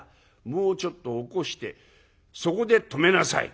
もうちょっと起こしてそこで止めなさい。